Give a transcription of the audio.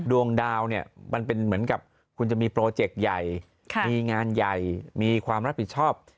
ดวงดาวเนี่ยมันเป็นเหมือนกับคุณจะมีโปรเจกต์ใหญ่มีงานใหญ่มีความรับผิดชอบ